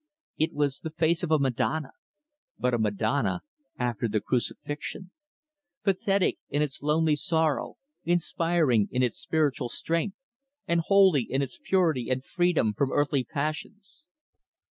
It was the face of a Madonna, but a Madonna after the crucifixion, pathetic in its lonely sorrow, inspiring in its spiritual strength, and holy in its purity and freedom from earthly passions.